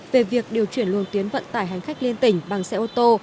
về việc điều chuyển luồng tuyến vận tải hành khách liên tỉnh bằng xe ô tô